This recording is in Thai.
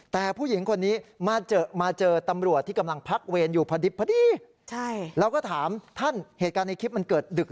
แต่ผู้หญิงคนนี้มาเจอมาเจอตำรวจที่กำลังพักเวรอยู่พอดีเราก็ถามท่านเหตุการณ์ในคลิปมันเกิดดึก